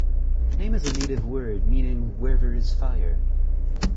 The name is a native word meaning where there is fire.